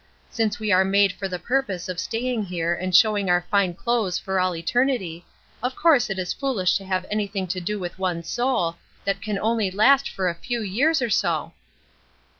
Since we are made for the purpose of staying here and showing our fine clothes for all eternity, of course it is foolish to have anything to do with one's soul, that can only last for a few years or so!"